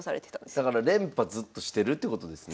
だから連覇ずっとしてるってことですね。